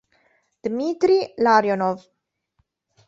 Dmitrij Larionov